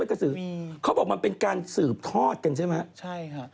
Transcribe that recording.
เขาบอกมันเป็นการสืบทอดใช่ไหม